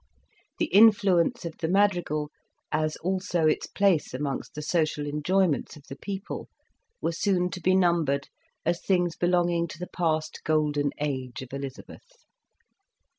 The influence of the madrigal, as also its place amongst the social enjoyments of the people, were soon to be numbered as things belonging to the past golden age of Elizabeth.